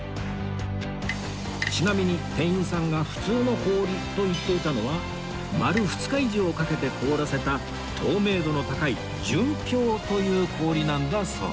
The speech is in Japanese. ちなみに店員さんが普通の氷と言っていたのは丸２日以上かけて凍らせた透明度の高い純氷という氷なんだそうです